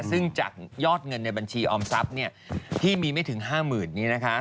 ซึ่งจากยอดเงินในบัญชีออมทรัพย์ที่มีไม่ถึง๕๐๐๐นี้นะคะ